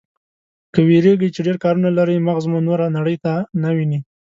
که وېرېږئ چې ډېر کارونه لرئ، مغز مو نوره نړۍ نه ويني.